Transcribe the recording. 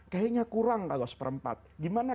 kayaknya kurang kalau seperempat gimana